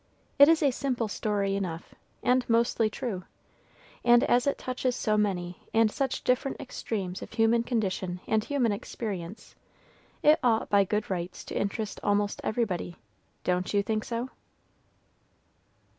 It is a simple story enough, and mostly true. And as it touches so many and such different extremes of human condition and human experience, it ought by good rights to interest almost everybody; don't you think so?